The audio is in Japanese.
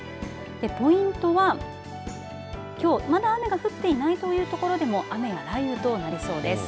ポイントは、きょうまだ雨が降っていないというところでも雨や雷雨となりそうです。